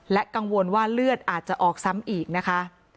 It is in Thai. กังวลว่าเลือดอาจจะออกซ้ำอีกนะคะ